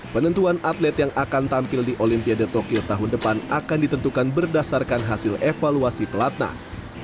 penentuan atlet yang akan tampil di olimpiade tokyo tahun depan akan ditentukan berdasarkan hasil evaluasi pelatnas